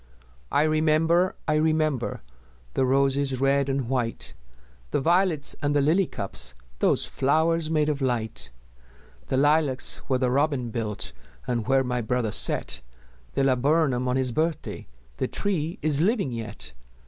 I remember, I remember The roses red and white, The violets and the lily cups Those flowers made of light! The lilacs where the robin built, And where my brother set The laburnum on his birthday, The tree is living yet!